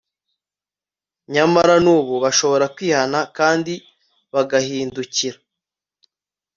nyamara n'ubu bashobora kwihana kandi bagahindukira